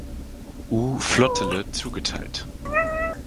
U-Flottille zugeteilt.